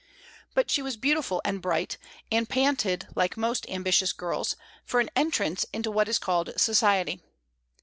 But she was beautiful and bright, and panted, like most ambitious girls, for an entrance into what is called "society."